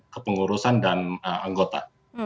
kepengurusan dan anggota